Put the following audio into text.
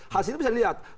hasilnya bisa dilihat